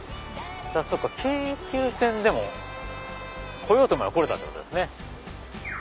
京急線でも来ようと思えば来れたってことですね。